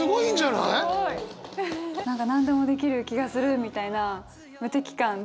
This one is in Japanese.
すごい！何か何でもできる気がするみたいな無敵感。